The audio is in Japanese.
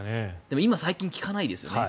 今、最近聞かないですよね。